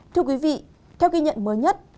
thưa quý vị theo ghi nhận mới nhất